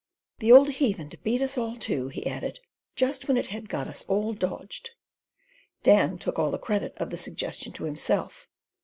"The old heathen to beat us all too," he added, "just when it had got us all dodged." Dan took all the credit of the suggestion to himself.